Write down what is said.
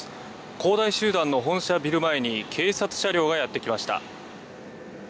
恒大集団の本社ビル前に警察車両がやってきました。